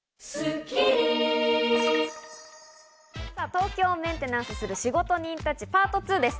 東京をメンテナンスする仕事人たちパート２です。